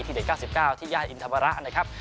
ที่๑๙๙๙ที่หญ้าทำระนะครับ